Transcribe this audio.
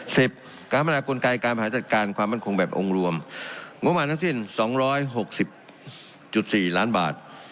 การพัฒนากลไกการบริหารจัดการความมั่นคงแบบองค์รวมงบประมาณทั้งสิ้นสองร้อยหกสิบจุดสี่ล้านบาท